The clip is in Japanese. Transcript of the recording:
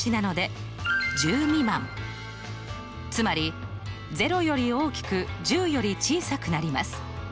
つまり０より大きく１０より小さくなります。